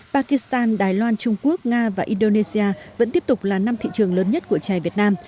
pakistan đài loan trung quốc nga và indonesia vẫn tiếp tục là năm thị trường lớn nhất của chè việt nam